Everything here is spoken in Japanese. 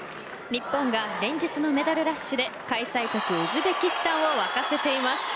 日本が連日のメダルラッシュで開催国ウズベキスタンを沸かせています。